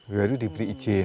baru diberi izin